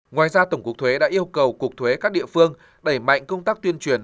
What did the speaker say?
ngoài ra tổng cục thuế đã yêu cầu cục thuế các địa phương đẩy mạnh công tác tuyên truyền